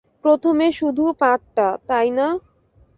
প্রথমে শুধু পাতটা, তাই না?